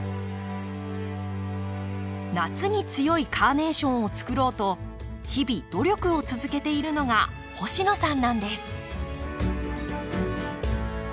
夏に強いカーネーションをつくろうと日々努力を続けているのが星野さんなんです。